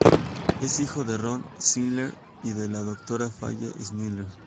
Es hijo de Ron Snyder y de la doctora Faye Snyder.